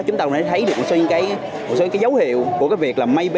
chúng ta có thể thấy được một số những cái dấu hiệu của cái việc là